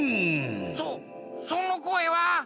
そそのこえは。